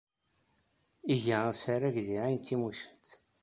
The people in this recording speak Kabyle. Iga asarag deg ɛin Timucent.